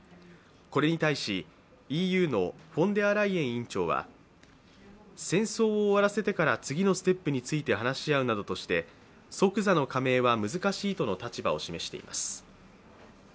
これに対しＥＵのフォンデアライエン委員長は戦争を終わらせてから次のステップについて話し合うなどして即座の加盟は難しいとの立場を示しています。